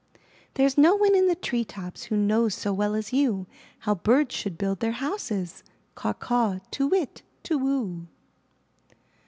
"There's no one in the tree tops Who knows so well as you How birds should build their houses! Caw, caw! Tu whit, tu whoo!